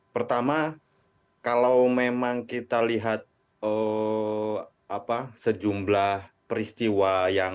pertama kalau memang kita lihat sejumlah peristiwa yang